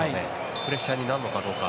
プレッシャーになるのかどうか。